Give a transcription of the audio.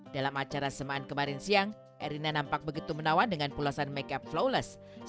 dalam acara semaan kemarin siang irina nampak begitu menawan dengan pulasan make up flawless